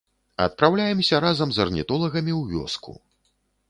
Адпраўляемся разам з арнітолагамі ў вёску.